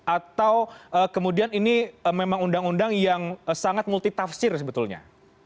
atau kemudian ini memang undang undang yang sangat multitafsir sebetulnya